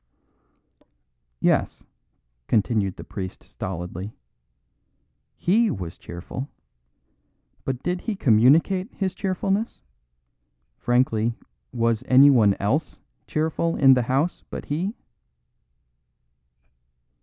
"Yes," continued the priest stolidly, "he was cheerful. But did he communicate his cheerfulness? Frankly, was anyone else in the house cheerful but he?"